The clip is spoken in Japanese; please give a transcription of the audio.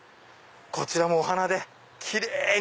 こちらもお花でキレイに。